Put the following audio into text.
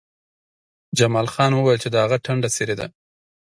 جمال خان وویل چې د هغه ټنډه څیرې ده